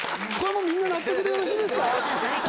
みんな納得でよろしいですか？